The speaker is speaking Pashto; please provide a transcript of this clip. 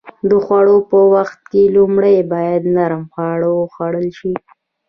د خوړو په وخت کې لومړی باید نرم خواړه وخوړل شي.